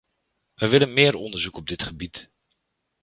Wij willen meer onderzoek op dit gebied.